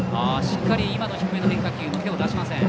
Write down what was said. しっかり低めの変化球にも手を出しません。